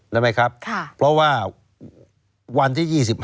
รู้ไหมครับพอว่าวันที่๒๕